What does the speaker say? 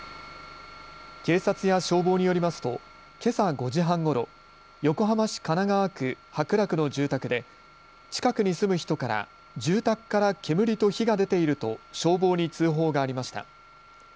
警察や消防によりますとけさ５時半ごろ横浜市神奈川区白楽の住宅で近くに住む人から住宅から煙と火が出ていると消防に通報がありました。